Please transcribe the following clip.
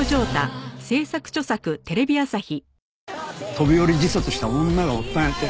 飛び降り自殺した女がおったんやて。